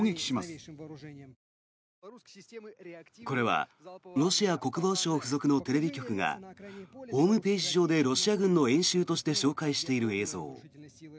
これはロシア国防省付属のテレビ局がホームページ上でロシア軍の演習として紹介している映像。